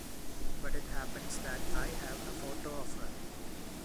But it happens that I have a photo of her.